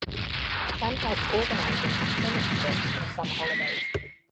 Chen helped organising academic trips in summer holidays.